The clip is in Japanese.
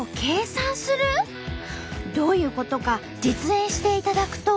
どういうことか実演していただくと。